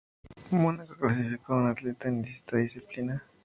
Mónaco clasificó a una atleta en esta disciplina.